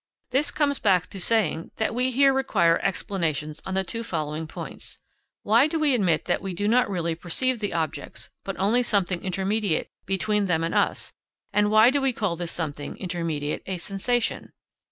This comes back to saying that we here require explanations on the two following points: why do we admit that we do not really perceive the objects, but only something intermediate between them and us; and why do we call this something intermediate a sensation?